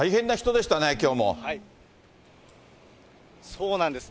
そうなんです。